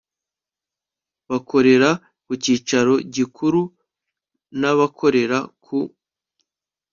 bakorera ku cyicaro gikuru n abakorera ku